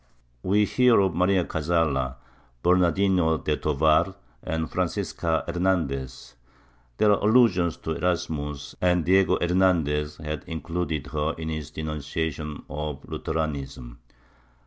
We hear of Maria Cazalla, Bernardino de Tovar and Francisca Her nandez ; there are ahusions to Erasmus, and Diego Hernandez had included her in his denunciations of Lutheranism.